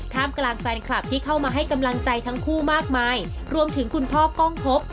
กลางแฟนคลับที่เข้ามาให้กำลังใจทั้งคู่มากมายรวมถึงคุณพ่อกล้องพบ